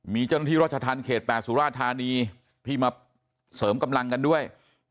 มีเจ้าหน้าที่รัชธรรมเขต๘สุราธานีที่มาเสริมกำลังกันด้วย